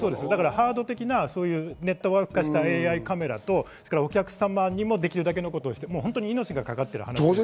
ハード的なネットワーク化したＡＩカメラとお客様にもできる限りのことをしていただきたいです。